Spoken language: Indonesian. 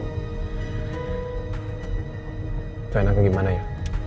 itu enaknya gimana ya